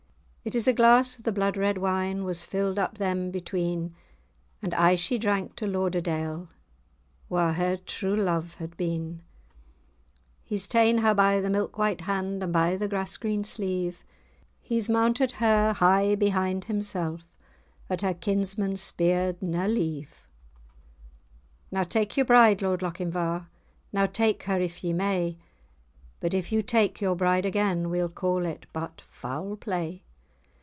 It is a glass of the blood red wine Was filled up them between, And aye she drank to Lauderdale, Wha[#] her true love had been. [#] who. He's taen[#] her by the milk white hand, And by the grass green sleeve; He's mounted her hie behind himsell, At her kinsmen speired[#] na leave. [#] taken. [#] asked. "Now take your bride, Lord Lochinvar! Now take her if ye may! But if you take your bride again, We'll call it but foul play."